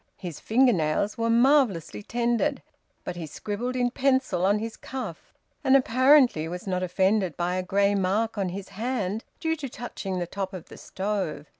His finger nails were marvellously tended. But he scribbled in pencil on his cuff, and apparently was not offended by a grey mark on his hand due to touching the top of the stove.